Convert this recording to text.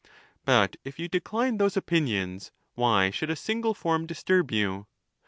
But if yon decline those opinions, why should a single form disturb you ?